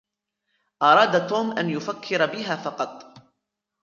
أراد توم أن يفكر بها فقط.